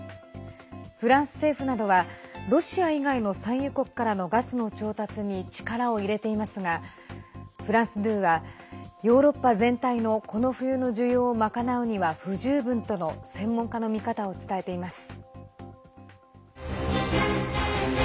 フランス政府などはロシア以外の産油国からのガスの調達に力を入れていますがフランス２はヨーロッパ全体の、この冬の需要を賄うには不十分との専門家の見方を伝えています。